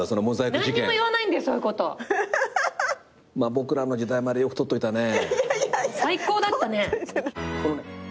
『ボクらの時代』までよく取っといたね。